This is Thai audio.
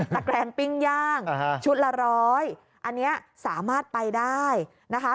แกรงปิ้งย่างชุดละร้อยอันนี้สามารถไปได้นะคะ